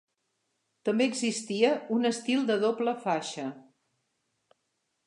També existia un estil de doble faixa.